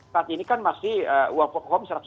saat ini kan masih uang uangnya masih berharga